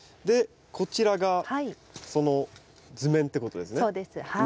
でこちらがその図面ってことですね。